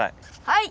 はい！